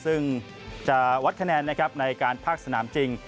ซึ่งจะวัดคะแนนนะครับในการภาคสนามจริง